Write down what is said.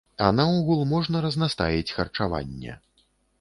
А наогул можна разнастаіць харчаванне.